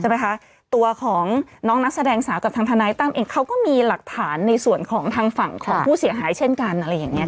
ตัวของน้องนักแสดงสาวกับทางทนายตั้มเองเขาก็มีหลักฐานในส่วนของทางฝั่งของผู้เสียหายเช่นกันอะไรอย่างเงี้